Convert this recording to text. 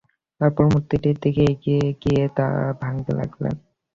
তারপর মূর্তিটির দিকে এগিয়ে গিয়ে তা ভাঙ্গতে লাগলেন।